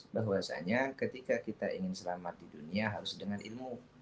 bahwasanya ketika kita ingin selamat di dunia harus dengan ilmu